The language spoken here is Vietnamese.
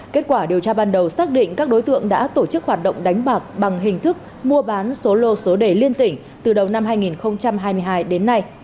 kết quả điều tra ban đầu xác định các đối tượng đã tổ chức hoạt động đánh bạc bằng hình thức mua bán số lô số đề liên tỉnh từ đầu năm hai nghìn hai mươi hai đến nay